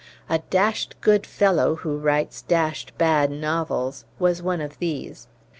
"A dashed good fellow, who writes dashed bad novels," was one of these.